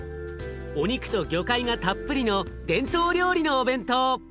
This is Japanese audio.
お肉と魚介がたっぷりの伝統料理のお弁当。